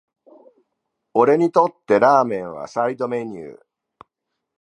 俺にとってラーメンはサイドメニュー